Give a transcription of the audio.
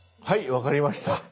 分かりました！